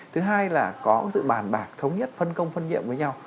thứ hai là có sự bàn bạc thống nhất phân công phân nhiệm với nhau